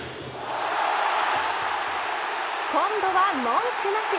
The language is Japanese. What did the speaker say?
今度は文句なし。